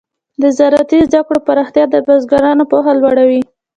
د زراعتي زده کړو پراختیا د بزګرانو پوهه لوړه وي.